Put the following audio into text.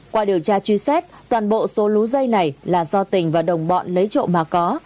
qua điều tra truy xét toàn bộ số lố dây này là do tình và đồng bọn lấy trộm mà có